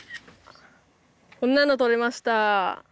こんなの撮れました。